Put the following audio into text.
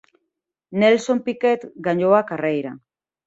Nelson Piquet gañou a carreira.